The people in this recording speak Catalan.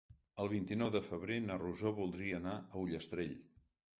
El vint-i-nou de febrer na Rosó voldria anar a Ullastrell.